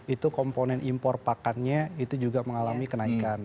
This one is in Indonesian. itu komponen impor pakannya itu juga mengalami kenaikan